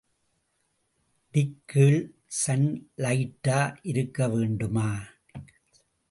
டிக்கேழ்சன் லைட்டா இருக்கவேண்டுமா?